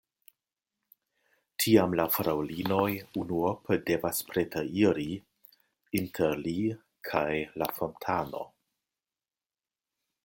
Tiam la fraŭlinoj unuope devas preteriri inter li kaj la fontano.